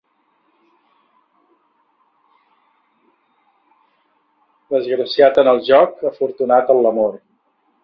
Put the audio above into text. Desgraciat en el joc, afortunat en l'amor.